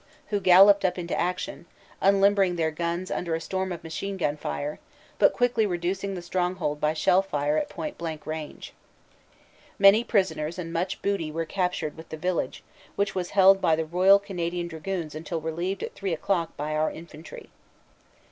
who galloped up into action, unlimbering their guns under a storm of machine gun fire, but quickly reducing the stronghold by shell fire at point blank range. Many prisoners and much booty were captured with the village, which was held by the R.C.D s until relieved at three o clock by our infantry.